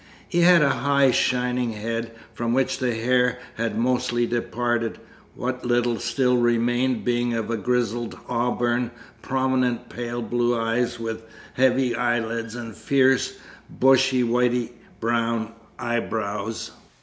He had a high shining head, from which the hair had mostly departed, what little still remained being of a grizzled auburn, prominent pale blue eyes with heavy eyelids and fierce, bushy whitey brown eyebrows.